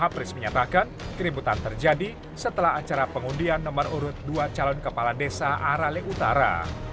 dua puluh april menyatakan keributan terjadi setelah acara pengundian nomor urut dua calon kepala desa arale utara